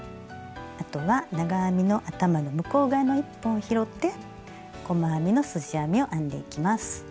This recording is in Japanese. あとは長編みの頭の向こう側の１本を拾って細編みのすじ編みを編んでいきます。